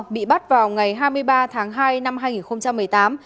bị bắt vào ngày hai mươi ba tháng hai năm hai nghìn một mươi tám